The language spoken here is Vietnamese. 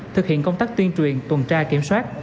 thực hiện công tác tuyên truyền tuần tra kiểm soát